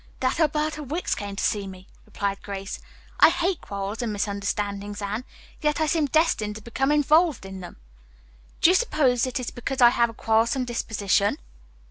"That Alberta Wicks came to see me," replied Grace. "I hate quarrels and misunderstandings, Anne, yet I seem destined to become involved in them. Do you suppose it is because I have a quarrelsome disposition?"